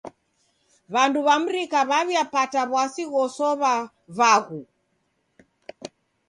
W'andu w'a mrika w'aw'iapata w'asi ghosow'a vaghu.